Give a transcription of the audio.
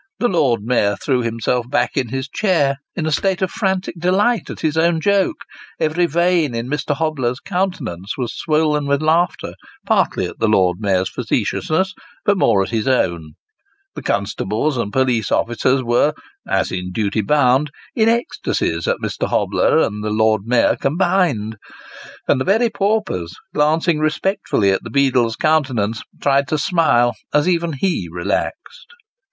The Lord Mayor threw himself back in his chair, in a state of frantic delight at his own joke ; every vein in Mr. Hobler's countenance was swollen with laughter, partly at the Lord Mayor's facetiousness, but more at his own ; the constables and police officers were (as in duty bound) in ecstasies at Mr. Hobler and the Lord Mayor combined ; and the very paupers, glancing respectfully at the beadle's countenance, tried to smile, as even he relaxed.